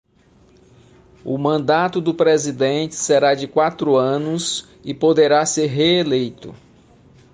O mandato do presidente será de quatro anos e poderá ser reeleito.